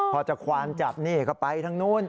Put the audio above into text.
พอจะควานจับนี่ก็ไปทางนู้น